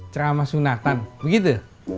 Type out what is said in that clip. cerama sunatan begitu